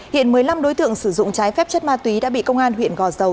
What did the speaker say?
hiện một mươi năm đối tượng sử dụng trái phép chất ma túy đã bị công an huyện gò dầu